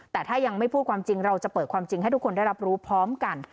แต่ถ้ายังไม่พูดความจริงเราจะเปิดความจริงให้ทุกคนได้รับรู้พร้อมกัน